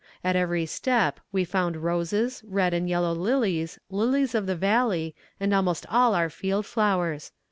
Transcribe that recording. At every step we found roses, red and yellow lilies, lilies of the valley, and almost all our field flowers.